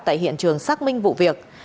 tại hiện trường xác minh vụ việc